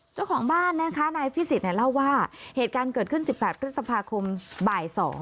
เจ้าของบ้านนะคะนายพิสิทธิ์เล่าว่าเหตุการณ์เกิดขึ้น๑๘พฤษภาคมบ่าย๒